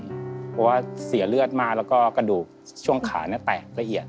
เพราะว่าเสียเลือดมากแล้วก็กระดูกช่วงขาแตกละเอียด